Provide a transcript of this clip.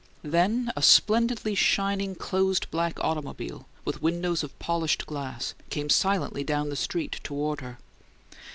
Then a splendidly shining closed black automobile, with windows of polished glass, came silently down the street toward her.